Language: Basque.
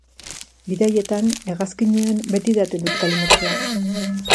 Bidaietan, hegazkinean, beti edaten dut kalimotxoa.